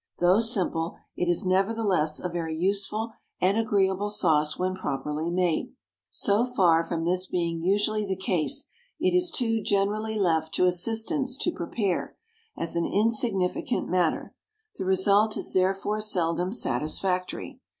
Though simple, it is nevertheless a very useful and agreeable sauce when properly made. So far from this being usually the case, it is too generally left to assistants to prepare, as an insignificant matter; the result is therefore seldom satisfactory.